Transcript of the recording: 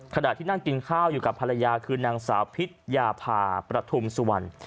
ขณะที่นั่งกินข้าวอยู่กับภรรยาคือนางสาวพิษยาภาประทุมสุวรรณ